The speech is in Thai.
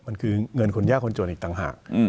มันคือเงินคนยากคนจนอีกต่างหาก